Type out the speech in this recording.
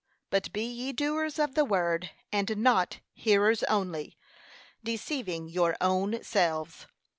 'But be ye doers of the word, and not hearers only, deceiving your ownselves.'